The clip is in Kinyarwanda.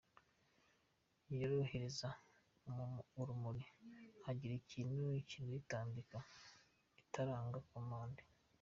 Yorohereza urumuri , hagira ikintu kirwitambika, igatanga 'commande'.